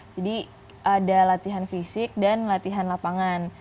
jadi ada latihan fisik dan latihan lapangan